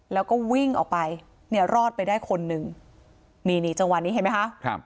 แล้วก็วิ่งออกไปเนี่ยรอดไปได้คนหนึ่งนี่นี่จังหวะนี้เห็นไหมคะครับ